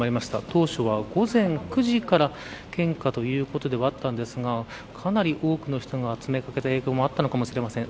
当初は午前９時から献花ということではあったんですがかなり多くの人が詰めかけた影響もあったのかもしれません。